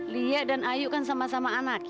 lia dan ayu kan sama sama anak